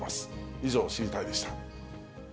以上、知りたいッ！でした。